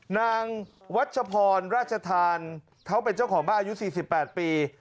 นางวัชพรราชธานเขาเป็นเจ้าของบ้านอายุ๔๘ปี